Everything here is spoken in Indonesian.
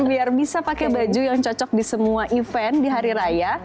biar bisa pakai baju yang cocok di semua event di hari raya